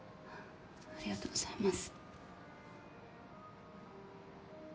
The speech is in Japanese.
ありがとうございます。